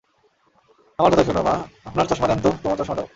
আমার কথা শুনো, মা, আপনার চশমা দেন তো তোমার চশমা দাও।